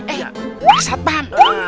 eh mas satpam